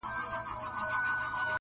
• مغلق او پرله پېچلي -